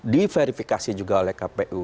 diverifikasi juga oleh kpu